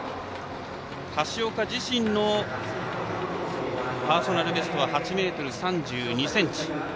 橋岡自身のパーソナルベストは８ｍ３２ｃｍです。